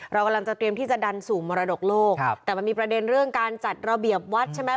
เรากำลังจะเตรียมที่จะดันสู่มรดกโลกแต่มันมีประเด็นเรื่องการจัดระเบียบวัดใช่ไหม